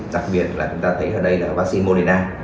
đặc biệt là chúng ta thấy ở đây là vaccine modina